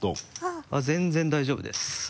あっ全然大丈夫です。